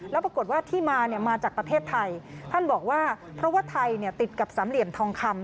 แล้วปรากฏว่าที่มาเนี่ยมาจากประเทศไทยท่านบอกว่าเพราะว่าไทยติดกับสามเหลี่ยมทองคำ